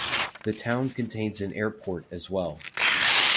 The town contains an airport as well.